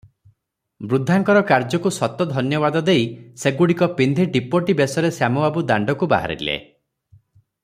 ବୃଦ୍ଧାଙ୍କର କାର୍ଯ୍ୟକୁ ଶତ ଧନ୍ୟବାଦ ଦେଇ ସେଗୁଡ଼ିକ ପିନ୍ଧି ଡିପୋଟି ବେଶରେ ଶ୍ୟାମବାବୁ ଦାଣ୍ଡକୁ ବାହାରିଲେ ।